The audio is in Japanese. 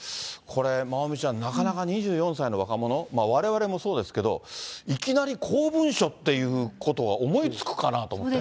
これ、まおみちゃん、なかなか２４歳の若者、われわれもそうですけど、いきなり公文書ということを思いつくかなと思って。